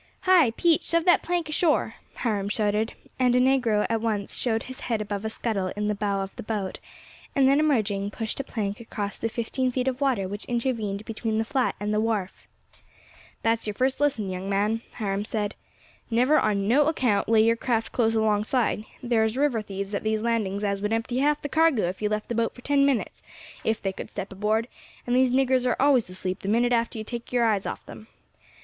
"Hi! Pete, shove that plank ashore," Hiram shouted, and a negro at once showed his head above a scuttle in the bow of the boat, and then emerging, pushed a plank across the fifteen feet of water which intervened between the flat and the wharf. "That's your first lesson, young man," Hiram said. "Never on no account lay your craft close alongside; thar's river thieves at these landings as would empty half the cargo if you left the boat for ten minutes, if they could step aboard, and these niggers are always asleep the minute after you take your eyes off them.